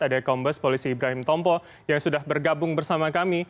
ada kombes polisi ibrahim tompo yang sudah bergabung bersama kami